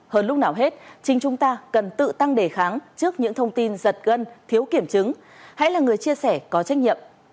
hơn lúc nào hết chính chúng ta cần tự tăng đề kháng trước những thông tin giật gân thiếu kiểm chứng hãy là người chia sẻ có trách nhiệm